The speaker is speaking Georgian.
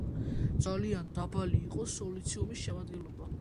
ძალიან დაბალი იყო სილიციუმის შემადგენლობა.